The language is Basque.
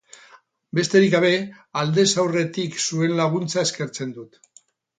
Besterik gabe, aldez aurretik zuen laguntza eskertzen dut.